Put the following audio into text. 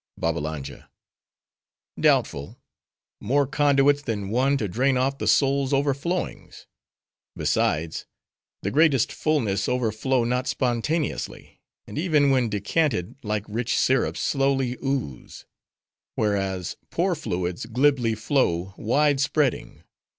BABBALANJA—Doubtful. More conduits than one to drain off the soul's overflowings. Besides, the greatest fullnesses overflow not spontaneously; and, even when decanted, like rich syrups, slowly ooze; whereas, poor fluids glibly flow, wide spreading.